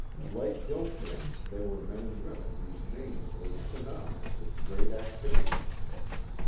Like Gilchrist they were men and women whose names were synonymous with great activities.